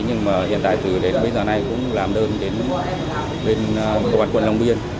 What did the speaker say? nhưng mà hiện tại từ đến bây giờ này cũng làm đơn đến công an quận long biên